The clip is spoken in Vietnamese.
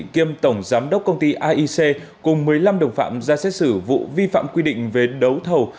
kiêm tổng giám đốc công ty aic cùng một mươi năm đồng phạm ra xét xử vụ vi phạm quy định về đấu thầu